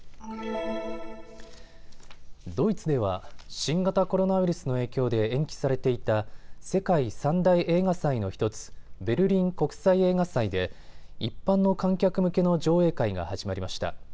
ドイツでは新型コロナウイルスの影響で延期されていた世界３大映画祭の１つ、ベルリン国際映画祭で一般の観客向けの上映会が始まりました。